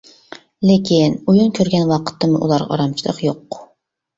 لېكىن، ئويۇن كۆرگەن ۋاقىتتىمۇ ئۇلارغا ئارامچىلىق يوق.